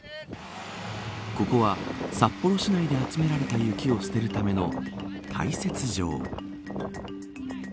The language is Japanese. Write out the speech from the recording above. ここは札幌市内で集められた雪を捨てるための堆雪場。